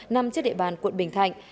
nằm trên địa bàn quận bình thạnh